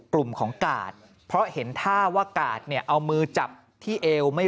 กลุ่มของกาดเพราะเห็นท่าว่ากาดเนี่ยเอามือจับที่เอวไม่